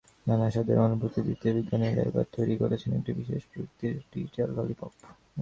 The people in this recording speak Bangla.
নানা স্বাদের অনুভূতি দিতে বিজ্ঞানীরা এবার তৈরি করেছেন একটি বিশেষ প্রযুক্তির ডিজিটাল ললিপপ।